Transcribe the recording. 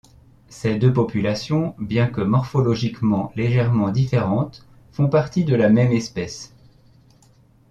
Ces deux populations, bien que morphologiquement légèrement différentes, font partie de la même espèce.